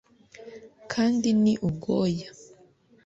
kandi ni ubwoya